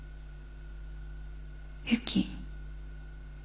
ユキ？